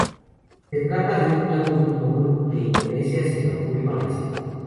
Se trata de un plato muy común de Indonesia, Singapur y Malasia.